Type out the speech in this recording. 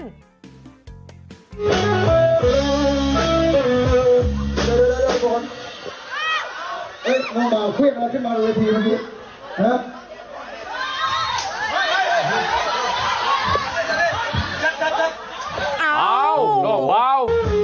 น้องเบาน้องเบา